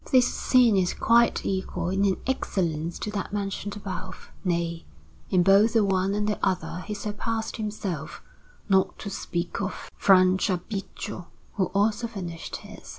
This scene is quite equal in excellence to that mentioned above; nay, in both the one and the other he surpassed himself, not to speak of Franciabigio, who also finished his.